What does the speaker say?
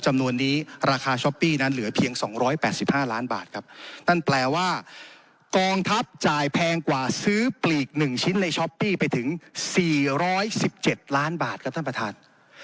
จำนวนนี้ราคาช้อปปี้นั้นเหลือเพียง๒๘๕ล้านบาทครับนั่นแปลว่ากองทัพจ่ายแพงกว่าซื้อปลีก๑ชิ้นในช้อปปี้ไปถึง๔๑๗ล้านบาทครับท่านประธาน